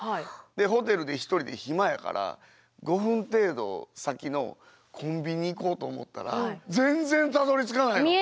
でホテルで１人で暇やから５分程度先のコンビニ行こうと思ったら全然たどりつかないの！